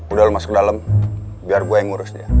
udah lu masuk ke dalam biar gua yang ngurus dia